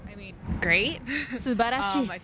すばらしい。